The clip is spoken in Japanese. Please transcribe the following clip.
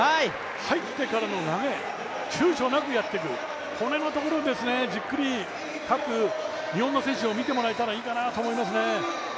入ってからの投げちゅうちょなくやってくこのところですね日本の選手も見てもらえたらいいなと思いますね。